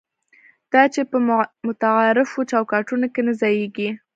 دا چې په متعارفو چوکاټونو کې نه ځایېږي.